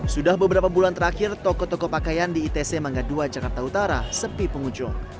sudah beberapa bulan terakhir toko toko pakaian di itc mangga dua jakarta utara sepi pengunjung